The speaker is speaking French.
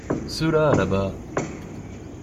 Ceux-là là-bas.